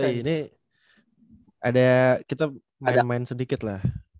ini ada kita main main sedikit lah